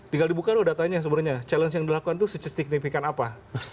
tinggal dibuka loh datanya sebenarnya challenge yang dilakukan itu sesignifikan apa